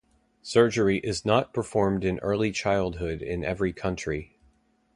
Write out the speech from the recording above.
Surgery is not performed in early childhood in every country.